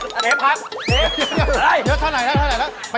เชฟครับเชฟ